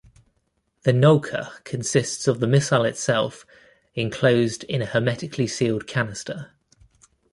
The Nulka consists of the missile itself enclosed in a hermetically sealed canister.